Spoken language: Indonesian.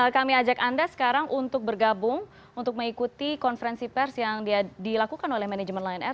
kami ajak anda sekarang untuk bergabung untuk mengikuti konferensi pers yang dilakukan oleh manajemen lion air